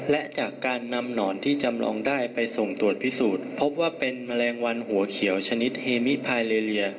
และจากการนำหนอนที่จำลองได้ไปส่งตรวจพิสูจน์พบว่าเป็นแมลงวันหัวเขียวชนิดเฮมิพายเลีย